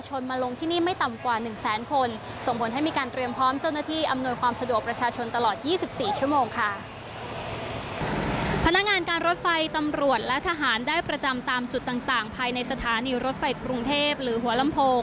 เชิญเลยค่ะ